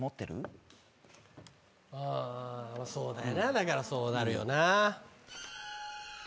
あそうだよなだからそうなるよな。